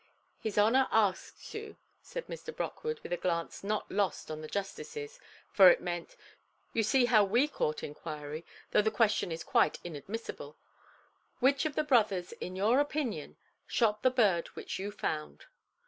"His honour asks you", said Mr. Brockwood, with a glance not lost on the justices—for it meant, You see how we court inquiry, though the question is quite inadmissible—"which of the brothers in your opinion shot the bird which you found"?